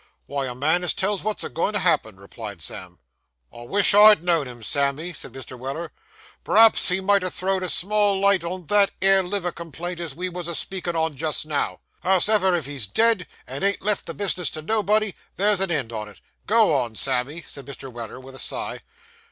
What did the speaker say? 'Wy, a man as tells what's a goin' to happen,' replied Sam. 'I wish I'd know'd him, Sammy,' said Mr. Weller. 'P'raps he might ha' throw'd a small light on that 'ere liver complaint as we wos a speakin' on, just now. Hows'ever, if he's dead, and ain't left the bisness to nobody, there's an end on it. Go on, Sammy,' said Mr. Weller, with a sigh.